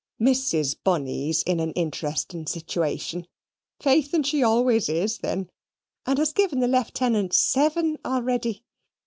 Mrs. Bunny's in an interesting situation faith, and she always is, then and has given the Lieutenant seven already.